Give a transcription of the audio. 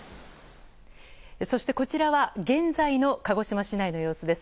そして、こちらは現在の鹿児島市内の様子です。